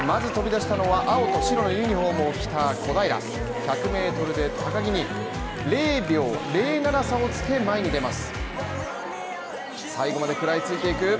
まず飛び出したのは青と白のユニホームを着た小平１００ｍで高木に０秒０７差をつけ前に出ます。